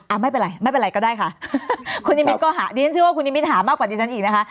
ไม่เป็นไรไม่เป็นไรก็ได้ค่ะคุณนิมิตก็หาดิฉันเชื่อว่าคุณนิมิตหามากกว่าดิฉันอีกนะคะ